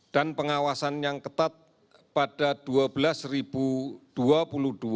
dan pengawasan yang ketat pada dua belas dua puluh dua orang